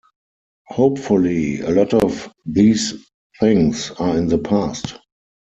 Hopefully, a lot of these things are in the past.